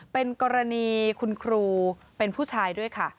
เป็นกรณีคุณครูเป็นผู้ชายด้วยค่ะ